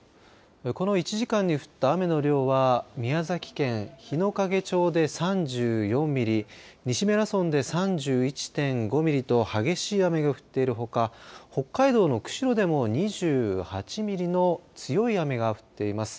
この１時間に降った雨の量は宮崎県日之影町で３４ミリ西米良村で３１．５ミリと激しい雨が降っているほか北海道の釧路でも２８ミリの強い雨が降っています。